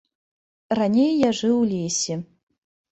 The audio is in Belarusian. Раней я жыў у лесе.